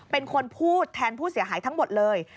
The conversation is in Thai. เป็นคนพูดแทนผู้เสียหายทั้งหมดเลย